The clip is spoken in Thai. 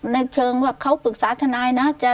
ในเชิงว่าเขาปรึกษาทนายนะ